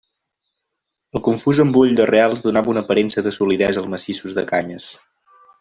El confús embull d'arrels donava una aparença de solidesa als massissos de canyes.